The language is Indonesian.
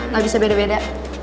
gak bisa beda beda